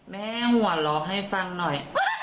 แม่หัวเราะให้ฟังหน่อย